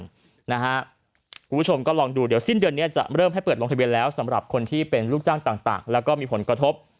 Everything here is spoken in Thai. คุณผู้ชมก็ลองดูเดี๋ยวสิ้นเดือนนี้จะเริ่มให้เปิดลงทะเบียนแล้วสำหรับคนที่เป็นลูกจ้างต่างแล้วก็มีผลกระทบ